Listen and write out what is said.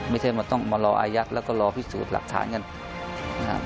ไม่ใช่ต้องมารออายักษ์และรอพิสูจน์หลักฐานกัน